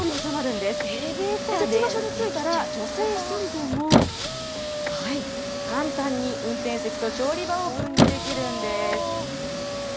設置場所に着いたら、女性一人でも簡単に運転席と調理場を分離できるんです。